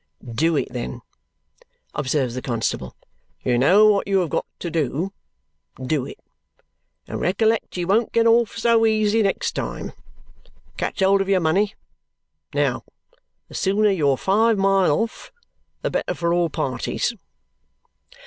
"Do it, then," observes the constable. "You know what you have got to do. Do it! And recollect you won't get off so easy next time. Catch hold of your money. Now, the sooner you're five mile off, the better for all parties."